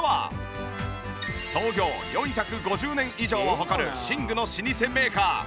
創業４５０年以上を誇る寝具の老舗メーカー。